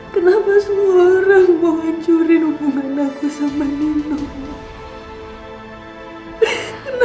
kenapa semua orang mau hancurin hubungan aku sama nino